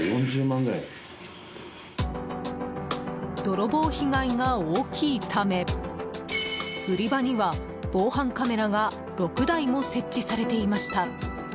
泥棒被害が大きいため売り場には、防犯カメラが６台も設置されていました。